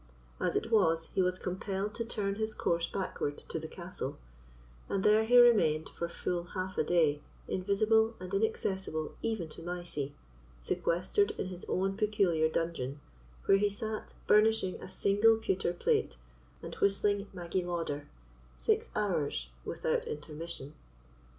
As it was, he was compelled to turn his course backward to the castle; and there he remained for full half a day invisible and inaccessible even to Mysie, sequestered in his own peculiar dungeon, where he sat burnishing a single pewter plate and whistling "Maggie Lauder" six hours without intermission.